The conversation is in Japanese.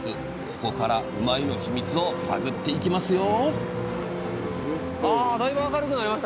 ここからうまいッ！のヒミツを探っていきますよ！